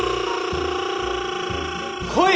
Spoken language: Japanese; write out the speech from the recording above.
来い！